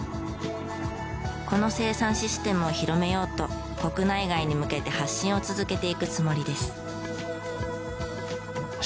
この生産システムを広めようと国内外に向けて発信を続けていくつもりです。